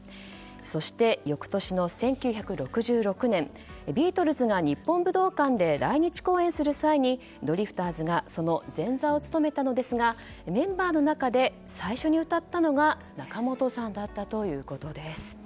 そして、翌年の１９６６年ビートルズが日本武道館で来日公演する際にドリフターズがその前座を務めたのですがメンバーの中で最初に歌ったのが仲本さんだったということです。